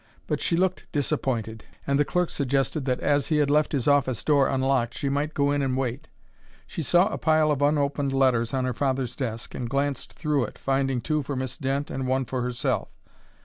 But she looked disappointed, and the clerk suggested that as he had left his office door unlocked she might go in and wait. She saw a pile of unopened letters on her father's desk and glanced through it, finding two for Miss Dent and one for herself.